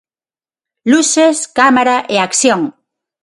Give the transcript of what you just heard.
Luces, cámara e acción.